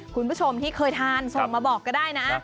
คุณผู้ชมที่เคยทานส่งมาบอกก็ได้นะ